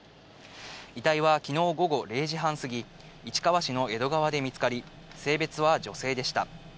遺体はきのう午後０時半過ぎ、市川市の江戸川で見つかり、性別は女性でした。